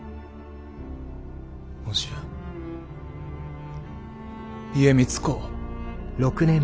もしや家光公は。